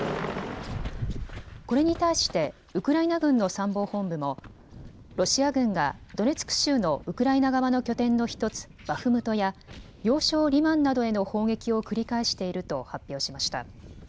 これに対してウクライナ軍の参謀本部もロシア軍がドネツク州のウクライナ側の拠点の１つ、バフムトや要衝リマンなどへの砲撃を繰り返していると発表しました。